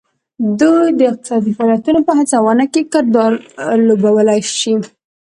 دوی د اقتصادي فعالیتونو په هڅونه کې کردار لوبولی شي